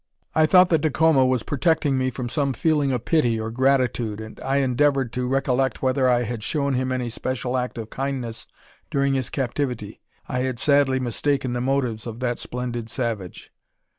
I thought that Dacoma was protecting me from some feeling of pity or gratitude, and I endeavoured to recollect whether I had shown him any special act of kindness during his captivity. I had sadly mistaken the motives of that splendid savage.